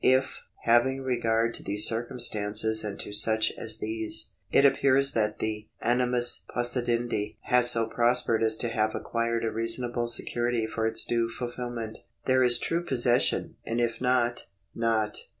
If, having regard to these circumstances and to such as these, it appears that the animus possidendi has so prospered as to have acquired a reasonable security for its due fulfilment, there is true possession, and if not, not.